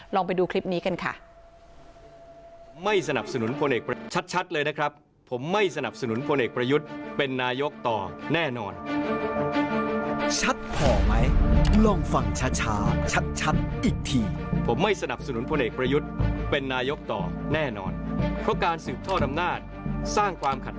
ไปดูคลิปนี้กันค่ะ